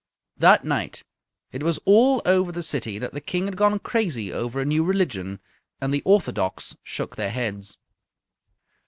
That night it was all over the city that the King had gone crazy over a new religion, and the orthodox shook their heads.